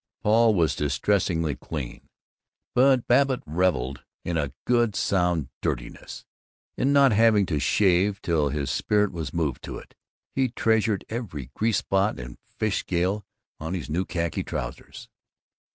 Paul was distressingly clean, but Babbitt reveled in a good sound dirtiness, in not having to shave till his spirit was moved to it. He treasured every grease spot and fish scale on his new khaki trousers.